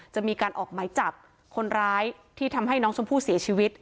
จะมีการออกหมายจับคนร้ายที่ทำให้น้องชมพู่เสียชีวิต